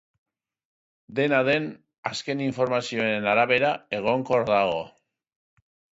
Dena den, azken informazioen arabera, egonkor dago.